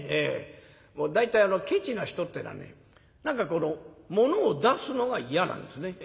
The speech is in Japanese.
大体ケチな人ってえのはね何かものを出すのが嫌なんですね。